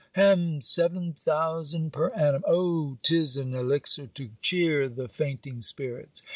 Hem! Seven thousand per annum O 'tis an elixir to chear the fainting spirits!